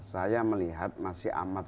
saya melihat masih amat